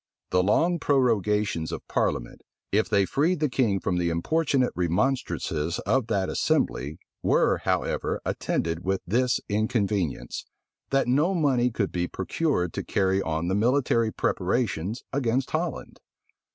The long prorogations of parliament, if they freed the king from the importunate remonstrances of that assembly, were, however, attended with this inconvenience, that no money could be procured to carry on the military preparations against Holland.